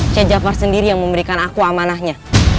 c jafar sendiri yang memberikan aku amanahnya